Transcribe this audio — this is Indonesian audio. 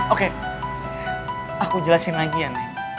oke aku jelasin lagi ya neng